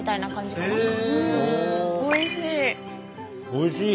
おいしい！